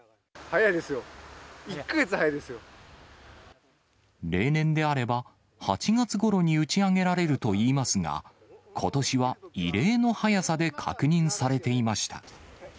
早いですよ、１か月早いです例年であれば、８月ごろに打ち上げられるといいますが、ことしは異例の早さで確認されていました。